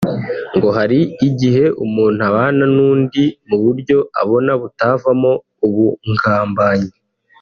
ngo hari igihe umuntu abana n’undi mu buryo abona butavamo ubungambanyi